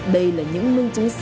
đây là những lưng trắng sâu